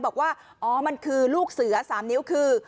บอกว่าอ๋อมันคือลูกเสือ๓นิ้วคือ